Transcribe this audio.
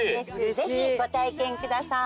ぜひご体験ください。